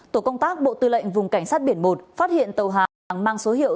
tổ công tác bộ tư lệnh vùng cảnh sát biển một phát hiện tàu hàng mang số hiệu